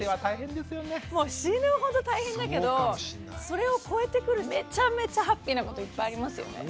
それを超えてくるめちゃめちゃハッピーなこといっぱいありますよね。